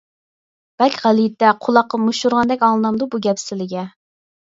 بەك غەلىتە، قۇلاققا مۇشت ئۇرغاندەك ئاڭلىنامدۇ بۇ گەپ سىلىگە؟!